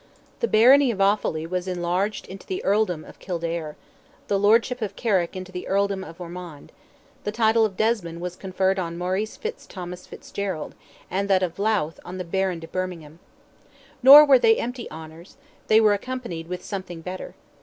The baronry of Offally was enlarged into the earldom of Kildare; the lordship of Carrick into the earldom of Ormond; the title of Desmond was conferred on Maurice Fitz Thomas Fitzgerald, and that of Louth on the Baron de Bermingham. Nor were they empty honours; they were accompanied with something better.